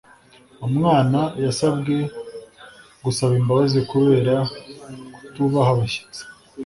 umwana yasabwe gusaba imbabazi kubera kutubaha abashyitsi